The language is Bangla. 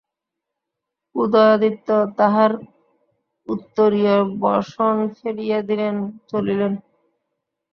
উদয়াদিত্য তাঁহার উত্তরীয় বসন ফেলিয়া দিলেন, চলিলেন।